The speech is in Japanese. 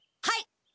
はい！